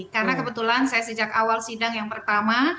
karena kebetulan saya sejak awal sidang yang pertama